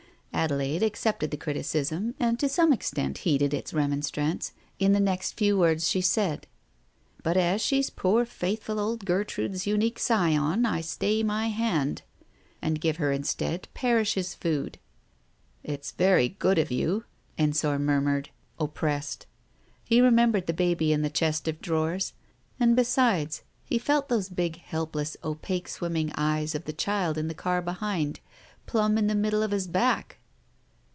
Adelaide accepted the criticism and to some extent heeded its remonstrance, in the next few words she said. "But as she's poor faithful old Gertrude's unique scion I stay my hand, and give her instead Parrish's Food." "It's very good of you," Ensor murmured, oppressed. He remembered the baby in the chest of drawers, and, besides, he felt those big helpless opaque seeming eyes of the child in the car behind, plumb in the middle of his back.